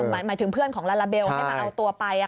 หมายถึงเพื่อนของลาลาเบลให้มาเอาตัวไป